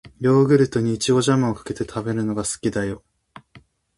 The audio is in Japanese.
ヨーグルトに、いちごジャムをかけて食べるのが好きだよ。